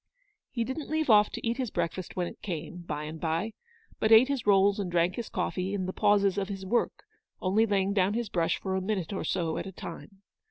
He didn't leave off to eat his breakfast when it came, by and by j but ate his rolls and drank his coffee in the pauses of his work, 122 Eleanor's victory. only laying down his brush for a minute or so at a time.